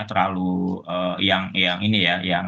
terlalu yang ini ya